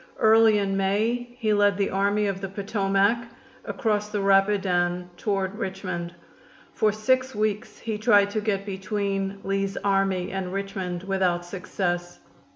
Early in May he led the Army of the Potomac across the Rapidan toward Richmond. For six weeks he tried to get between Lee's army and Richmond without success.